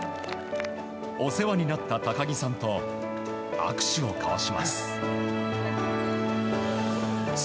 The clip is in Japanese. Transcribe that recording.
お世話になった高木さんと握手を交わします。